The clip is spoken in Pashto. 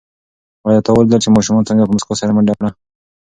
آیا تا ولیدل چې ماشوم څنګه په موسکا سره منډه کړه؟